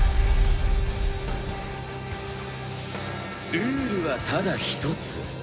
ルールはただ一つ。